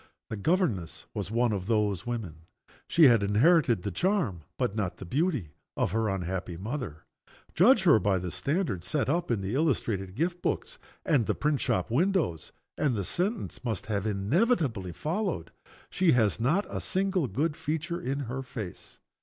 The governess was one of those women. She had inherited the charm, but not the beauty, of her unhappy mother. Judge her by the standard set up in the illustrated gift books and the print shop windows and the sentence must have inevitably followed. "She has not a single good feature in her face."